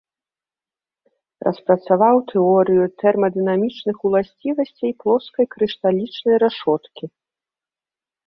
Распрацаваў тэорыю тэрмадынамічных уласцівасцей плоскай крышталічнай рашоткі.